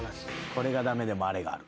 これが駄目でもあれがある。